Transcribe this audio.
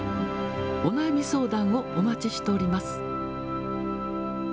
お悩み相談をお待ちしております。